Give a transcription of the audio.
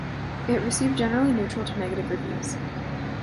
It received generally neutral to negative reviews.